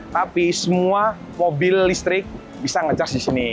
tapi semua mobil listrik bisa nge charge di sini